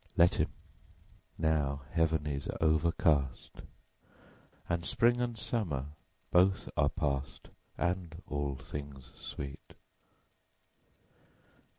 Let him; now heaven is overcast, 10 And spring and summer both are past, And all things sweet.